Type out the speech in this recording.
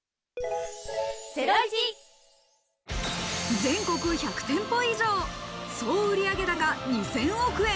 全国１００店舗以上、総売上高２０００億円。